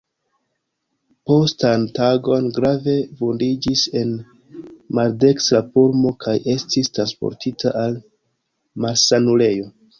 Postan tagon grave vundiĝis en maldekstra pulmo kaj estis transportita al malsanulejo.